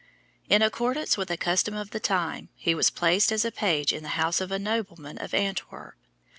In accordance with a custom of the time, he was placed as a page in the house of a nobleman of Antwerp.